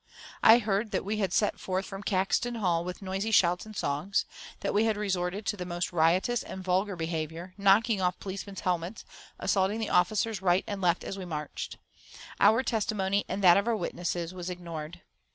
I heard that we had set forth from Caxton Hall with noisy shouts and songs, that we had resorted to the most riotous and vulgar behaviour, knocking off policemen's helmets, assaulting the officers right and left as we marched. Our testimony, and that of our witnesses, was ignored.